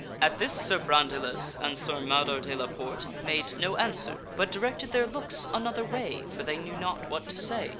At this Sir Brandiles and Sir Mador de la Porte made no answer, but directed their looks another way, for they knew not what to say.